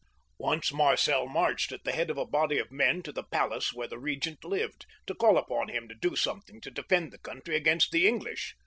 Once Marcel marched at the head of a body of men to the palace where the regent lived, to call upon him to do something to defend the country against the English.